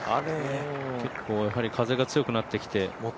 結構風が強くなってきて。